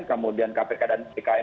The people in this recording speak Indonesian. kemudian kpk dan bkn